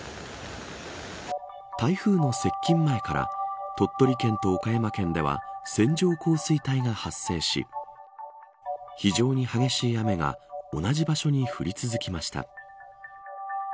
台風の接近前から鳥取県と岡山県では線状降水帯が発生し非常に激しい雨が同じ場所に降り続きました。